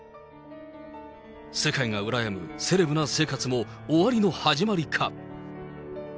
世界が羨むセレブな生活も終わりの始まりか。